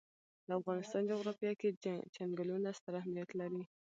د افغانستان جغرافیه کې چنګلونه ستر اهمیت لري.